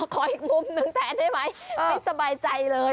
ขออีกมุมหนึ่งแทนได้ไหมไม่สบายใจเลย